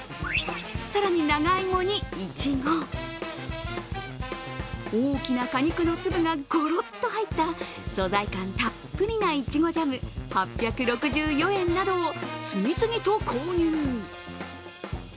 更に、長いもに、いちご、大きな果肉の粒がごろっと入った素材感たっぷりないちごジャム、８６４円などを次々と購入。